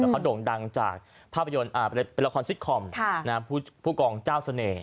เขาโด่งดังจากภาพยนตร์เป็นละครซิตคอมผู้กองเจ้าเสน่ห